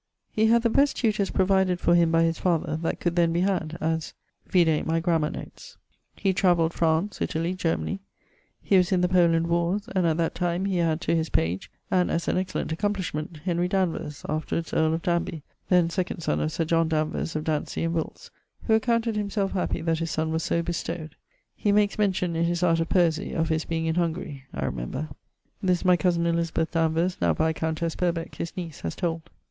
He had the best tutors provided for him by his father that could then be had, as ... Vide my Grammar[BY] notes. He travelled France, Italie, Germany; he was in the Poland warres, and at that time he had to his page[LXXXVIII.] (and as an excellent accomplishment) Henry Danvers (afterwards earle of Danby), then second son of Sir John Danvers of Dantesey in Wilts, who accounted himselfe happy that his son was so bestowed. He makes mention, in his Art of Poesie, of his being in Hungarie (I remember). [LXXXVIII.] This my cosen Elizabeth Danvers, now viscountesse Purbec, his niece, has told.